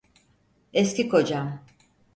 Eski kocam.